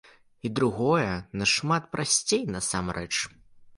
І другое нашмат прасцей насамрэч.